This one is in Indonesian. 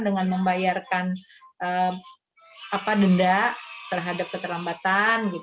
dengan membayarkan denda terhadap keterlambatan